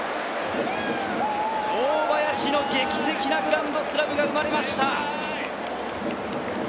堂林の劇的なグランドスラムが生まれました。